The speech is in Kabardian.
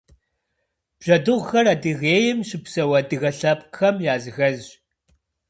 Бжьэдыгъухэр Адыгейм щыпсэу адыгэ лъэпкъхэм языхэзщ.